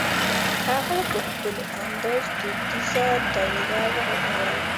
هغه په ښکلي انداز دودیزه دایره وغږوله.